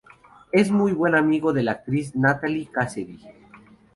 Es muy buen amigo de la actriz Natalie Cassidy.